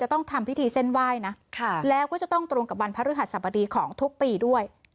ต้องทำพิธีเส้นไหว้นะแล้วก็จะต้องตรงกับวันพระฤหัสสบดีของทุกปีด้วย